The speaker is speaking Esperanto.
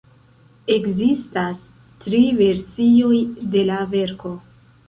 Ekzistas tri versioj de la verko.